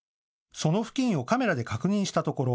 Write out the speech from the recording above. その付近をカメラで確認したところ